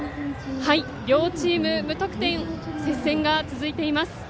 両チーム無得点接戦が続いています。